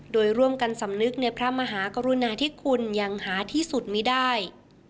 โดยร่วมกันสำนึกในพระมหากรุณาที่คุณอย่างหาที่สุดมีได้